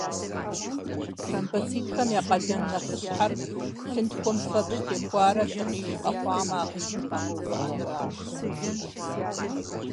Тромбоцитхэм я къалэн нэхъыщхьэр — лъынтхуэм фэбжь техуарэ лъыкъиж къэхъуамэ, а къижыр къэгъэувыӏэнращ.